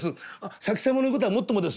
先様の事はもっともですよ。